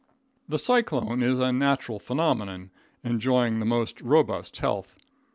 The cyclone is a natural phenomenon, enjoying the most robust health.